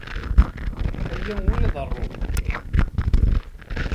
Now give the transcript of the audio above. Aya ur iḍerru.